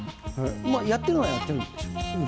やってるのはやってるんですか？